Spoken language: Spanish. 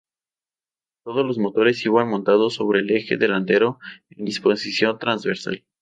Todos los motores iban montados sobre el eje delantero en disposición transversal.